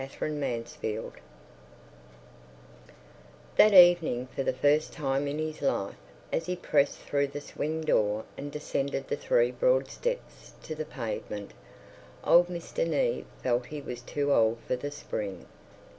An Ideal Family That evening for the first time in his life, as he pressed through the swing door and descended the three broad steps to the pavement, old Mr. Neave felt he was too old for the spring.